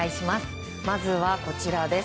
まずはこちらです。